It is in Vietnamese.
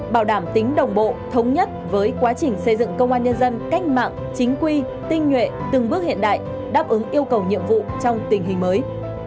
bảo đảm tính đồng bộ thống nhất với quá trình xây dựng công an nhân dân cách mạng chính quy tinh nhuệ từng bước hiện đại đáp ứng yêu cầu nhiệm vụ trong tình hình mới